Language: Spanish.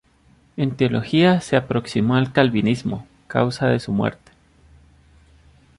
En teología se aproximó al calvinismo, causa de su muerte.